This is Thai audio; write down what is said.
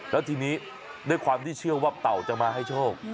แล้วทีนี้ด้วยความที่เชื่อว่าเต่าจะมาให้โชค